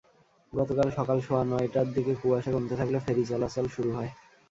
গতকাল সকাল সোয়া নয়টার দিকে কুয়াশা কমতে থাকলে ফেরি চলাচল শুরু হয়।